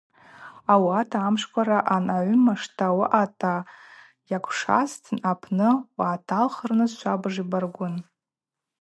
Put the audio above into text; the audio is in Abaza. Ауат амшква рагӏан агӏвыма шта уаъата уаквшвазтын Апсны угӏаталхырныс швабыж йбаргвын.